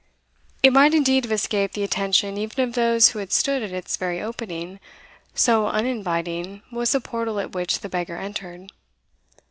It might indeed have escaped the attention even of those who had stood at its very opening, so uninviting was the portal at which the beggar entered.